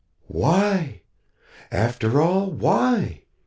"Why? After all, why?